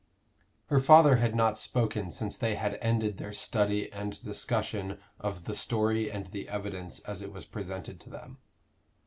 Her father had not spoken since they had ended their study and discussion of the story and the evidence as it was presented to them.